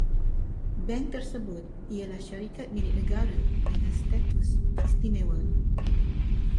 Bank tersebut ialah syarikat milik negara dengan status istimewa